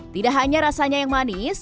tidak hanya rasanya yang manis